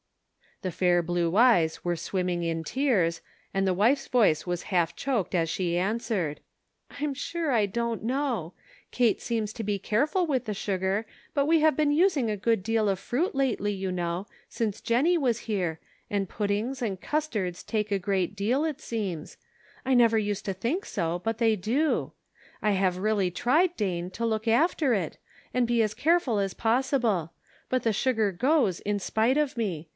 The fair blue eyes were swimming in tears, and the wife's voice was half choked as she answered ;" I'm sure I don't know. Kate seems to be careful with the sugar ; but we have been using a good deal of fruit lately, you know, since Jennie was here, and puddings and custards take a great deal, it seems ; I never used to think so, but, they do. I have really tried Dane, to look after it, and be as care ful as possible; but the sugar goes in spite of me.